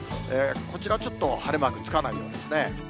こちらちょっと、晴れマークつかないようですね。